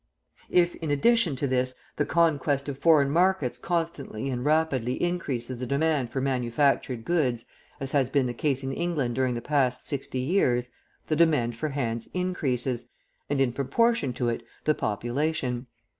If, in addition to this, the conquest of foreign markets constantly and rapidly increases the demand for manufactured goods, as has been the case in England during the past sixty years, the demand for hands increases, and, in proportion to it, the population.